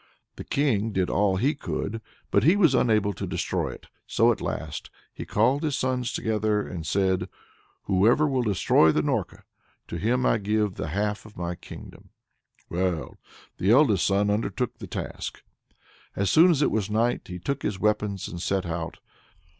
The King did all he could, but he was unable to destroy it. So at last he called his sons together and said: "Whoever will destroy the Norka, to him will I give the half of my kingdom." Well, the eldest son undertook the task. As soon as it was night, he took his weapons and set out.